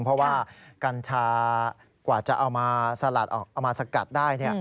เพราะว่ากัญชากว่าจะเอามาสลัดเอามาสกัดได้